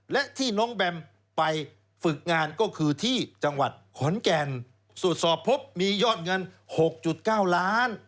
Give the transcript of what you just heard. และที่น้องแบมไปฝึกงานก็คือที่จังหวัดขอนแก่นตรวจสอบพบมียอดเงิน๖๙ล้าน